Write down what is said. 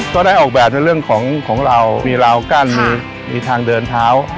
ก็ได้ออกแบบในเรื่องของของเรามีราวกั้นมีทางเดินเท้า